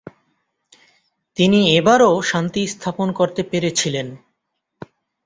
তিনি এবারও শান্তি স্থাপন করতে পেরেছিলেন।